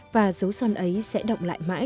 và dấu son ấy sẽ động lại mãi